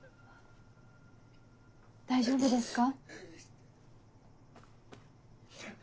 大丈夫ですか？